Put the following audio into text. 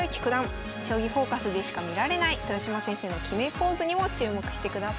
「将棋フォーカス」でしか見られない豊島先生の決めポーズにも注目してください。